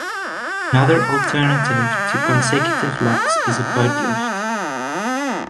Another alternative to consecutive locks is a boat lift.